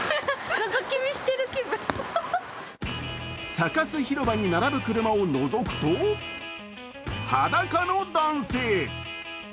サカス広場に並ぶ車をのぞくと裸の男性。